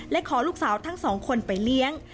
และขอลูกสาวทั้งสองคนไปเลี้ยง